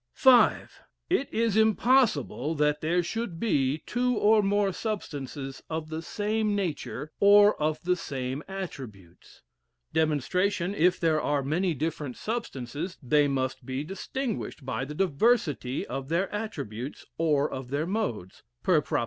V. It is impossible that there should be two or more substances of the same nature, or of the same attributes. Dem. If there are many different substances they must be distinguished by the diversity of their attributes or of their modes (per prop.